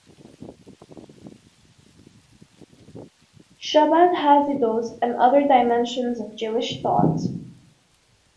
Chabad Hasidus and other dimensions of Jewish thought.